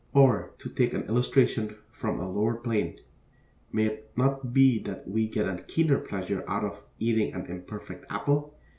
Or, to take an illustration from a lower plane, may it not be that we get a keener pleasure out of eating an imperfect apple?